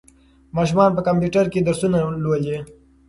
ماشومان په کمپیوټر کې درسونه لولي.